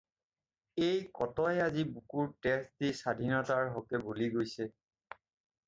এই কতই অজি বুকৰ তেজ দি স্বাধীনতাৰ হকে বলি গৈছে